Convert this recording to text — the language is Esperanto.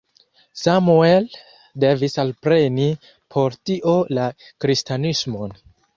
Samuel devis alpreni por tio la kristanismon.